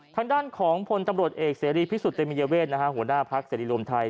ทางด้านของพลตำรวจเอกเสรีพิสุทธิ์เตมียเวทหัวหน้าพักเสรีรวมไทย